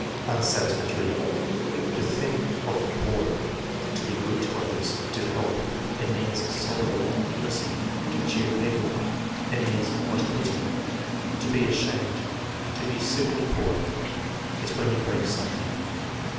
Unsatisfactory. " To think of the poor." " To be good to others." "To help." "It means sorrow." "Mercy." "To cheer people up." "It means 'What a pity!'" "To be ashamed." "To be sick or poor." "It's when you break something."